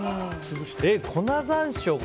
粉山椒か。